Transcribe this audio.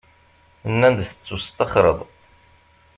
- Nnan-d tettusṭaxreḍ.